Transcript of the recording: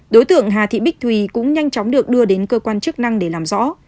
đối tượng hà thị bích thùy cũng nhanh chóng được đưa đến cơ quan chức năng để làm rõ